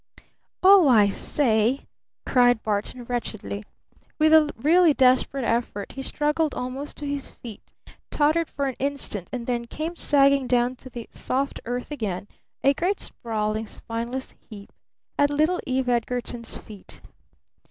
"Oh, I say!" cried Barton wretchedly. With a really desperate effort he struggled almost to his feet, tottered for an instant, and then came sagging down to the soft earth again a great, sprawling, spineless heap, at little Eve Edgarton's feet.